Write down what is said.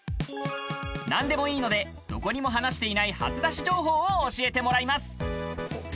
何でもいいので、どこにも話していない初出し情報を教えてもらいます。